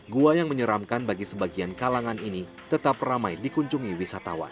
gua yang menyeramkan bagi sebagian kalangan ini tetap ramai dikunjungi wisatawan